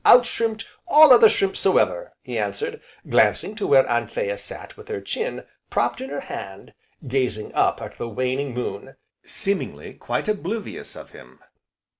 "Out shrimped all other shrimps so ever!" he answered, glancing to where Anthea sat with her chin propped in her hand, gazing up at the waning moon, seemingly quite oblivious of him.